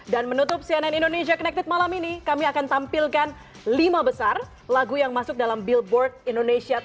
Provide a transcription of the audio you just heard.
dan menutup cnn indonesia connected malam ini kami akan tampilkan lima besar lagu yang masuk dalam billboard indonesia